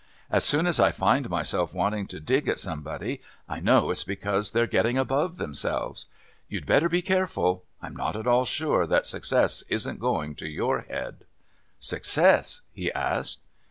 As soon as I find myself wanting to dig at somebody, I know it's because they're getting above themselves. You'd better be careful. I'm not at all sure that success isn't going to your head." "Success?" he asked.